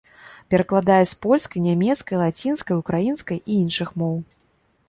Перакладае з польскай, нямецкай, лацінскай, украінскай і іншых моў.